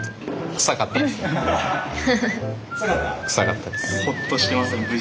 クサかったです。